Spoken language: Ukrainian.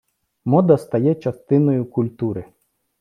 Мода стає частиною культури.